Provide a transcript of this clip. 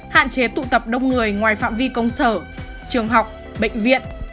hạn chế tụ tập đông người ngoài phạm vi công sở trường học bệnh viện